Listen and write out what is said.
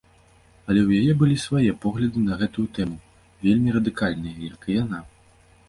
Але ў яе былі свае погляды на гэтую тэму, вельмі радыкальныя, як і яна.